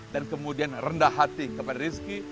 kemudian rendah hati kepada rizki